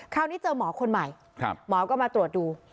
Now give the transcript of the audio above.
คราวนี้เจอหมอคนใหม่หมอก็มาตรวจดู